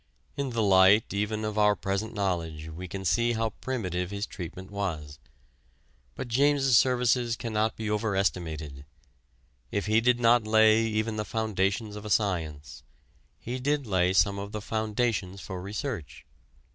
In the light even of our present knowledge we can see how primitive his treatment was. But James's services cannot be overestimated: if he did not lay even the foundations of a science, he did lay some of the foundations for research.